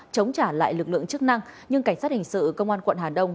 chống trả lại lực lượng chức năng nhưng cảnh sát hình sự công an quận hà đông